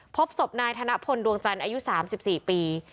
พบศพนายธนพลดวงจันทร์อายุสามสิบสี่ปี